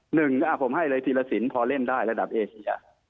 หนึ่งผมให้เลยธีรสินพอเล่นได้ระดับเอเชีย